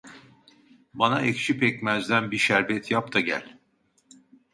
Bana ekşi pekmezden bir şerbet yap da gel.